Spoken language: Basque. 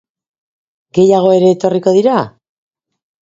Gehiago ere etorriko dira?